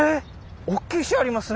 ⁉おっきい石ありますね